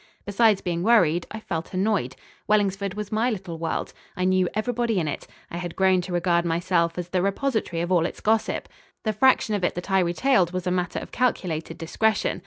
Besides being worried, I felt annoyed. Wellingsford was my little world. I knew everybody in it. I had grown to regard myself as the repository of all its gossip. The fraction of it that I retailed was a matter of calculated discretion.